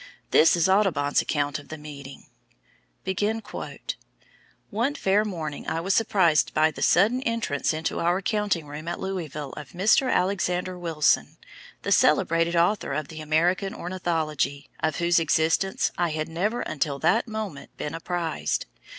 This is Audubon's account of the meeting: "One fair morning I was surprised by the sudden entrance into our counting room at Louisville of Mr. Alexander Wilson, the celebrated author of the American Ornithology, of whose existence I had never until that moment been apprised.